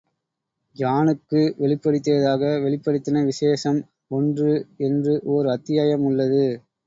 ஜானுக்கு வெளிப்படுத்தியதாக வெளிப்படுத்தின விசேஷம் ஒன்று என்று ஓர் அத்தியாயம் உள்ளது.